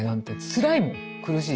つらいもん苦しいし。